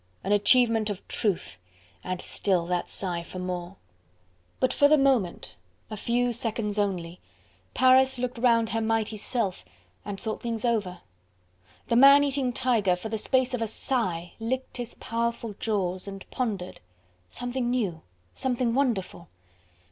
An achievement of truth! And still that sigh for more! But for the moment, a few seconds only, Paris looked round her mighty self, and thought things over! The man eating tiger for the space of a sigh licked his powerful jaws and pondered! Something new! something wonderful!